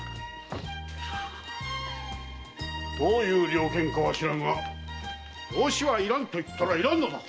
どういう了見かは知らぬが養子はいらぬと言ったらいらぬのだ。